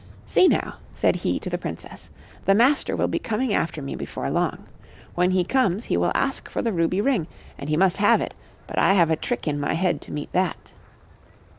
" See, now," said he to the princess, " the Master will be coming after me before long When he comes he will ask for the ruby ring, and he must have it, but I have a trick in my head to meet that."